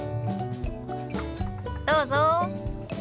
どうぞ。